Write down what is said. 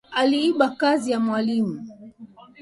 Aliiba kazi ya mwalimu